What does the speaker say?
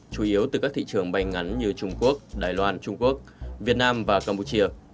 chủ yếu từ các thị trường bay ngắn như trung quốc đài loan trung quốc việt nam và campuchia